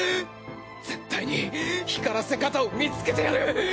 絶対に光らせ方を見つけてやる！